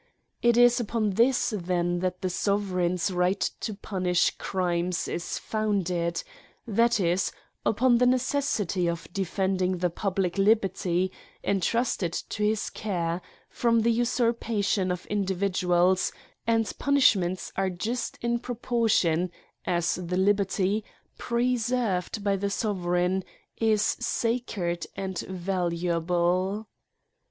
It is upon this then that the sovereign's right to pun ^ ish crimes is founded ; that is, upon the necessi ty of defending the public liberty, entrusted to his care, from the usurpation of individuals ; and punishments are just in proportion, as the liberty, preserved by the sovereign, is sacred and valu able.